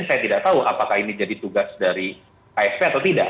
saya tidak tahu apakah ini jadi tugas dari ksp atau tidak